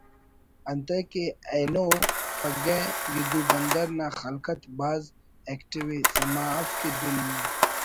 انتئے کہ اینو پگہ گدو بندرنا خلقت بھاز ایکٹو ءِ سما اف کہ دن انگا